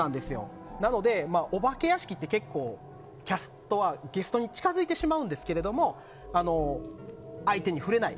なので、お化け屋敷ってキャストはゲストに近づいてしまうんですけど相手に触れない。